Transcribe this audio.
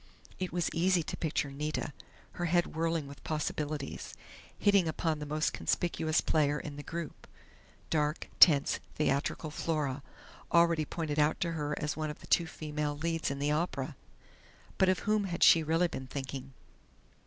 It was easy to picture Nita, her head whirling with possibilities, hitting upon the most conspicuous player in the group dark, tense, theatrical Flora, already pointed out to her as one of the two female leads in the opera.... But of whom had she really been thinking?